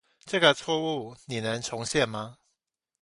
這個錯誤你能重現嗎